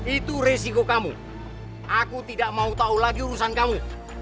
itu resiko kamu aku tidak mau tahu lagi urusan kamu